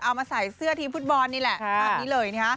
เอามาใส่เสื้อทีมฟุตบอลนี่แหละภาพนี้เลยนะฮะ